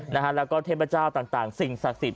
แล้วก็เทพเจ้าต่างสิ่งศักดิ์สิทธิ